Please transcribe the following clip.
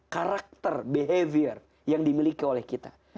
karakter behavior yang dimiliki oleh kita